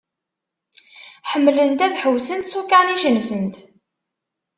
Ḥemmlent ad ḥewsent s ukanic-nsent.